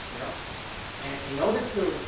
Abdulla Qodiriy tom ma’nosi ila so’z rassomidir.